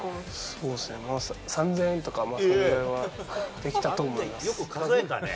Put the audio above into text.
そうですね、３０００とか、それぐらいはできたと思います。